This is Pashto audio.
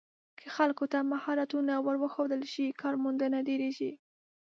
که خلکو ته مهارتونه ور وښودل شي، کارموندنه ډېریږي.